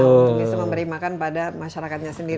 untuk bisa memberi makan pada masyarakatnya sendiri